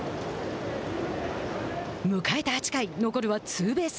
迎えた８回残るはツーベース。